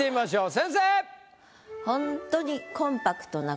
先生！